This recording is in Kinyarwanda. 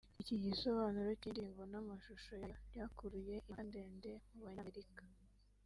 Iki gisobanuro cy’indirimbo n’amashusho yayo byakuruye impaka ndende mu banyamerika